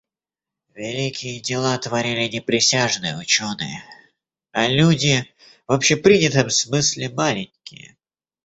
Великие дела творили не присяжные ученые, а люди, в общепринятом смысле, маленькие.